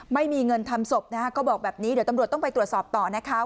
ไม่มีเงินทำศพนะคะก็บอกแบบนี้เดี๋ยวตำรวจต้องไปตรวจสอบต่อนะคะ